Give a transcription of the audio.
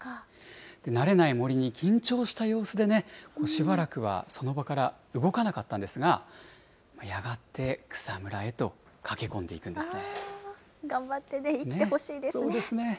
慣れない森に緊張した様子でしばらくはその場から動かなかったんですが、やがて草むらへと駆け込んでいくんですね。